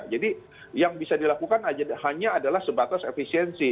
jadi yang bisa dilakukan hanya adalah sebatas efisiensi